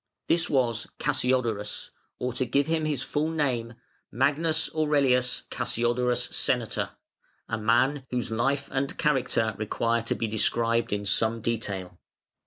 This was Cassiodorus, or, to give him his full name, Magnus Aurelius Cassiodorus Senator, a man, whose life and character require to be described in some detail.